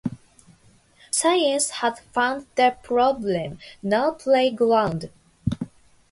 Science has found the problem no playground.